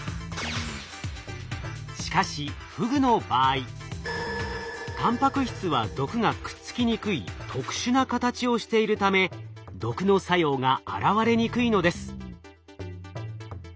しかしフグの場合たんぱく質は毒がくっつきにくい特殊な形をしているため毒の作用が現れにくいのです。